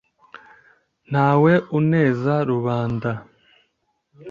ntawe uneza rubanda